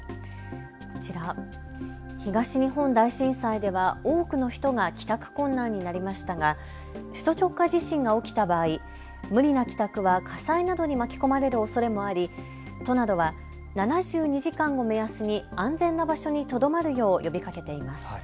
こちら、東日本大震災では多くの人が帰宅困難になりましたが、首都直下地震が起きた場合、無理な帰宅は火災などに巻き込まれるおそれもあり都などは７２時間を目安に安全な場所にとどまるよう呼びかけています。